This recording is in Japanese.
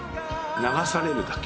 「流されるだけ」